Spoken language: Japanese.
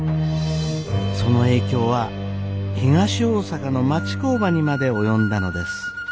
その影響は東大阪の町工場にまで及んだのです。